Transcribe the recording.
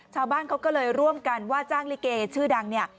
ชาวบ้านเขาก็เลยร่วมกันว่าจ้างลิเกชื่อดังเนี่ย